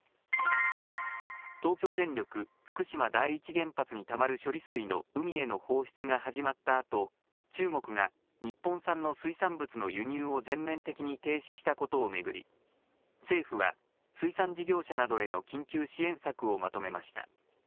東京電力福島第一原発にたまる処理水の海への放出が始まったあと中国が日本産の水産物の輸入を全面的に停止したことを巡り政府は水産事業者などへの緊急支援策をまとめました。